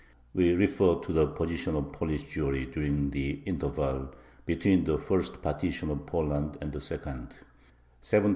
We refer to the position of Polish Jewry during the interval between the first partition of Poland and the second (1772 1793).